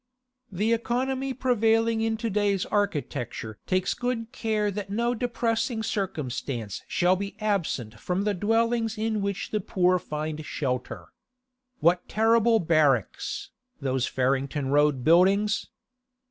The economy prevailing in to day's architecture takes good care that no depressing circumstance shall be absent from the dwellings in which the poor find shelter. What terrible barracks, those Farringdon Road Buildings!